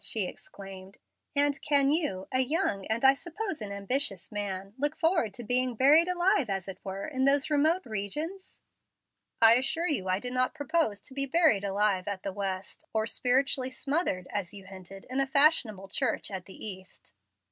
she exclaimed. "And can you, a young, and I suppose an ambitious man, look forward to being buried alive, as it were, in those remote regions?" "I assure you I do not propose to be buried alive at the West, or spiritually smothered, as you hinted, in a fashionable church at the East.